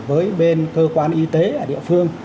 với bên cơ quan y tế ở địa phương